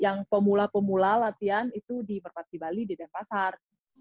yang pemula pemula latihan itu di merpati bali di denpasar